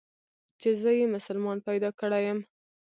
چې زه يې مسلمان پيدا کړى يم.